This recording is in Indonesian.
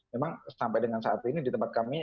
memang sampai dengan saat ini di tempat kami